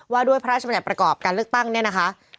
ว่าด้วยพระราชบัญญัติประกอบการเลือกตั้งเนี่ยนะคะ